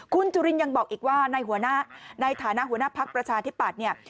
คุณจุลินยังบอกอีกว่าในในฐานะหัวหน้าพักประชาธิปัตย์เนี่ย